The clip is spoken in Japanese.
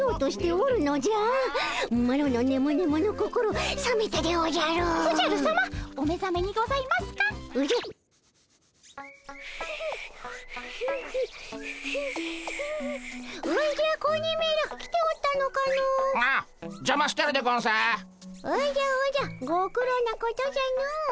おじゃおじゃご苦労なことじゃの。